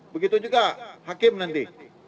begitu juga hakim nanti